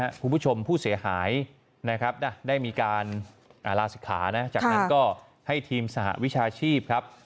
และก็ความผู้เสียหายได้มีการลาศิกษานะจากนั้นก็ให้ทีมสหวิชาชีพครับ